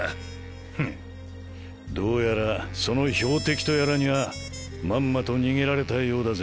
ふんどうやらその標的とやらにはまんまと逃げられたようだぜ。